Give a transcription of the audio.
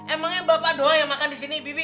emangnya bapak doa yang makan di sini bibi